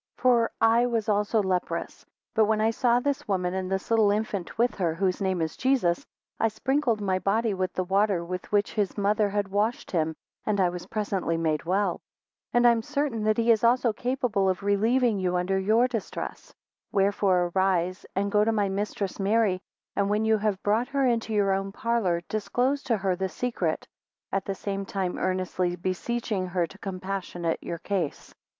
19 For I was also leprous; but when I saw this woman, and this little infant with her, whose name is Jesus, I sprinkled my body with the water with which his mother had washed him and I was presently made well. 20 And I am certain that he is also capable of relieving you under your distress. Wherefore arise, go to my mistress Mary, and when you have brought her into your own parlour, disclose to her the secret, at the same time earnestly beseeching her to compassionate your case.